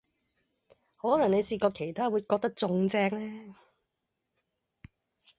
可能你試過其他會覺得仲正呢